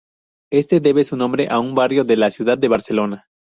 Este debe su nombre a un barrio de la ciudad de Barcelona.